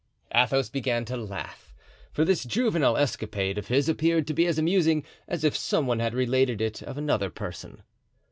Athos began to laugh, for this juvenile escapade of his appeared to be as amusing as if some one had related it of another person.